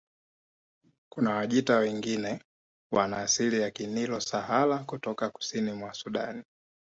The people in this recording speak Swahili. Kuna Wajita wengine wana asili ya Kinilo Sahara kutoka kusini mwa Sudan